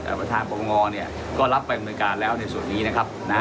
เอ่อประธานประมงอเนี้ยก็รับไปมือการแล้วในส่วนนี้นะครับนะฮะ